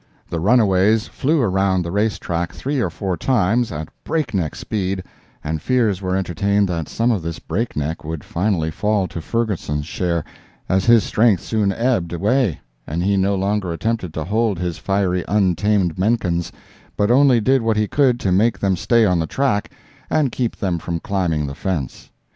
The runaways flew around the race track three or four times, at break neck speed, and fears were entertained that some of this break neck would finally fall to Ferguson's share, as his strength soon ebbed away, and he no longer attempted to hold his fiery untamed Menkens, but only did what he could to make them stay on the track, and keep them from climbing the fence.